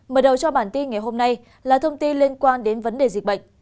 mở đầu cho bản tin ngày hôm nay là thông tin liên quan đến vấn đề dịch bệnh